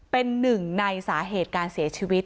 เป็นหนึ่งในสาเหตุการเสียชีวิต